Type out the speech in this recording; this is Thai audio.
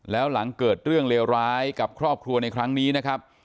แล้วหลังเกิดเรื่องเลวร้ายกับครอบครัวในครั้งนี้นะครับ